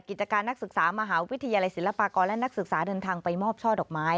กิจการนักศึกษามหาวิทยาลัยศิลปากรและนักศึกษาเดินทางไปมอบช่อดอกไม้